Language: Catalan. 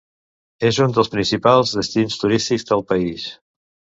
És un dels principals destins turístics del país.